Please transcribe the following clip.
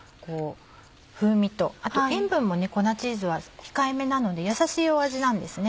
風味とあと塩分も粉チーズは控えめなのでやさしい味なんですね。